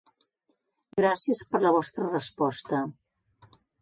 Gràcies per la vostra resposta!